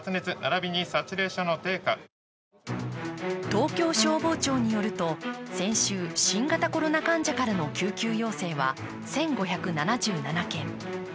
東京消防庁によると先週、新型コロナ患者からの救急要請は１５７７件。